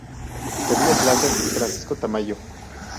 Tobías Lasser y Francisco Tamayo.